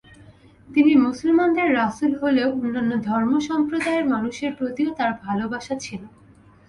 তিনি মুসলমানদের রাসুল হলেও অন্যান্য ধর্ম সম্প্রদায়ের মানুষের প্রতিও তাঁর ভালোবাসা ছিল।